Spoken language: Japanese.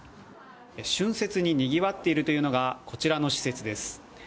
春節ににぎわっているというのが、こちらの施設です。